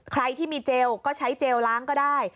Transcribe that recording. ใครที่มีเจลก็ใช้เจลล้างก็ได้